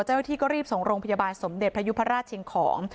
เจ้าหน้าที่ก็รีบส่งโรงพยาบาลสมเด็จพระยุพราชเชียงของ